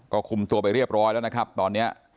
ก็คุมตัวไปเรียบร้อยแล้วนะครับตอนนี้